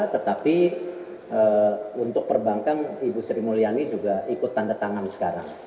tetapi untuk perbankan ibu sri mulyani juga ikut tanda tangan sekarang